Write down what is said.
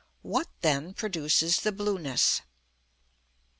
What, then, produces the blueness?